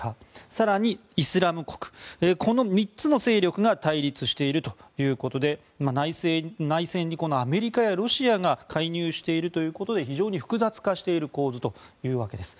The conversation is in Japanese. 更に、イスラム国この３つの勢力が対立しているということで内戦にアメリカやロシアが介入していることで非常に複雑化している構図というわけです。